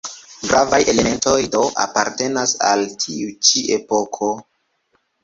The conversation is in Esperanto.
Gravaj elementoj do apartenas al tiu ĉi epoko.